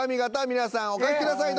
皆さんお書きください